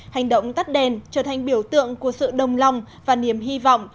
hành động tắt đèn trở thành biểu tượng của sự đồng lòng và niềm hy vọng